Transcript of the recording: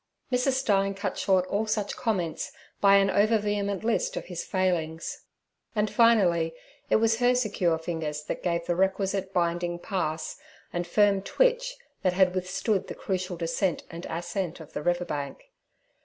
Mrs. Stein cut short all such comments by an over vehement list of his failings; and finally it was her secure fingers that gave the requisite binding pass, and firm twitch, that had withstood the crucial descent and ascent of the river bank.